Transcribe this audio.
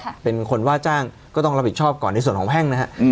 เป็นคนว่าจ้างก็ต้องรับผิดชอบก่อนในส่วนของแพ่งนะฮะอืม